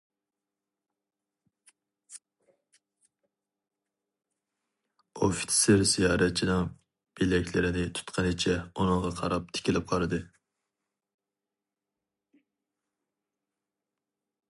ئوفىتسېر زىيارەتچىنىڭ بىلەكلىرىنى تۇتقىنىچە ئۇنىڭغا قاراپ تىكىلىپ قارىدى.